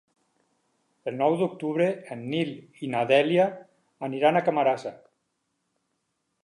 El nou d'octubre en Nil i na Dèlia aniran a Camarasa.